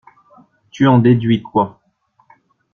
Tu en déduis quoi?